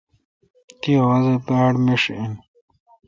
تی اواز باڑمیݭ این۔